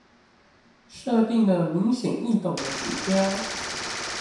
設定了明顯易懂的指標